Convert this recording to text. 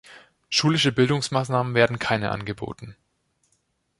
Schulische Bildungsmaßnahmen werden keine angeboten.